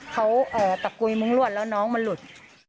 เขาตะกุยมุ้งรวดแล้วน้องมันหลุด